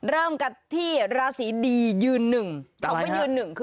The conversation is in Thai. เริ่มกันที่ราศรีดียืนนึง